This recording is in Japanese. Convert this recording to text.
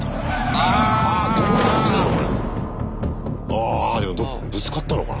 あでもぶつかったのかな？